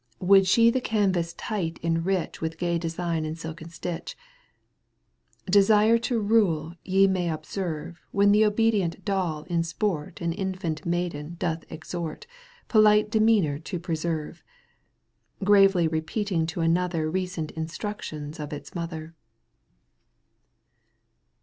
Would she the canvas tight enrich With gay design and silken stitcL Desire to rule ye may observe When the obedient doll in sport An infant maiden doth exhort Polite demeanour to preserve, Gravely repeating to another Becent instructions of its mother.